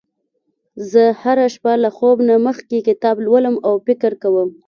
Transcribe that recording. زه هره شپه له خوب نه مخکې کتاب لولم او فکر کوم